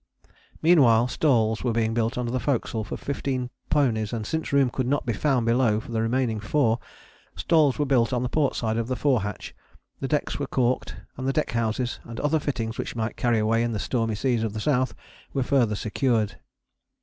Meanwhile stalls were being built under the forecastle for fifteen ponies, and, since room could not be found below for the remaining four, stalls were built on the port side of the fore hatch; the decks were caulked, and deck houses and other fittings which might carry away in the stormy seas of the South were further secured.